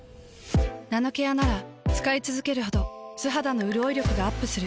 ナノケアなら使いつづけるほど素肌のうるおい力がアップする。